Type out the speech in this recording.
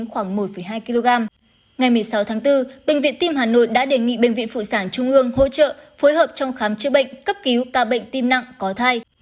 hôm bốn bệnh viện tim hà nội đã đề nghị bệnh viện phụ sản trung ương hỗ trợ phối hợp trong khám chữa bệnh cấp cứu ca bệnh tim nặng có thai